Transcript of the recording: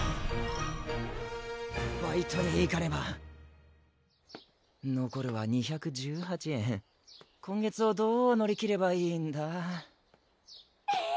バイトに行かねばのこるは２１８円今月をどう乗りきればいいんだ・えぇ！